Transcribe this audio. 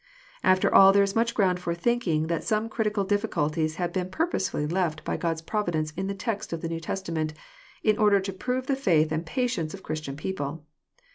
After all there is much ground for thinking that some critical \ difficulties have been purposely left by God's providence in the text of the New Testament, in order to prove the faith and patience of Christian people.